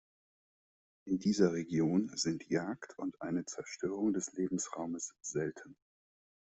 In dieser Region sind Jagd und eine Zerstörung des Lebensraumes selten.